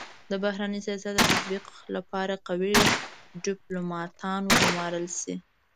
د بهرني سیاست د تطبیق لپاره قوي ډيپلوماتان و ګمارل سي.